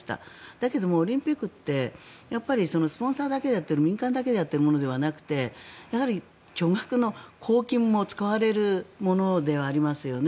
だけどもオリンピックってスポンサーだけでやっている民間だけでやっているものではなくてやはり巨額の公金も使われるものではありますよね。